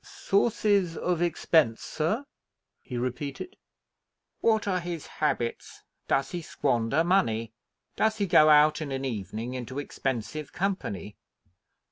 "Sources of expense, sir?" he repeated. "What are his habits? Does he squander money? Does he go out in an evening into expensive company?"